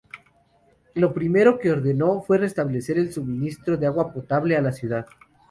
Lo primero que ordenó fue restablecer el suministro de agua potable a la ciudad.